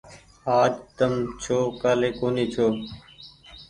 آج تم ڪآلي ڪونيٚ ڇو ۔